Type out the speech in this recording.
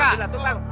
ambil lah tuh bang